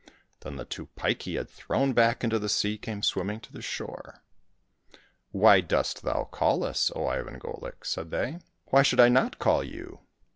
Then the two pike he had thrown back into the sea came swimming to the shore. " Why dost thou call us, O Ivan Golik ?" said they. " Why should I not call you